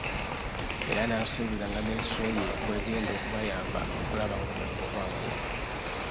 Era n'asuubiza nga minisitule ye bw'egenda okubayamba okulaba ng'omulimu gwanguwa.